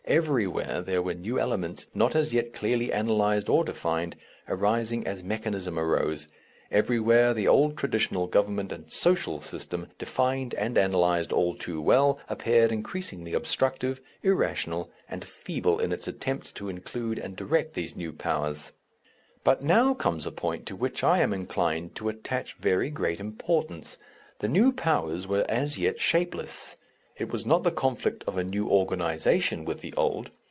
Everywhere there were new elements, not as yet clearly analyzed or defined, arising as mechanism arose; everywhere the old traditional government and social system, defined and analyzed all too well, appeared increasingly obstructive, irrational, and feeble in its attempts to include and direct these new powers. But now comes a point to which I am inclined to attach very great importance. The new powers were as yet shapeless. It was not the conflict of a new organization with the old.